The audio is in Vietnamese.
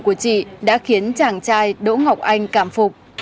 của chị đã khiến chàng trai đỗ ngọc anh cảm phục